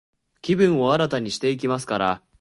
気分を新たにしていきますから、